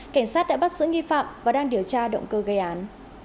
cảnh sát đã bắt giữ nghi phạm và đang điều tra động cơ gây án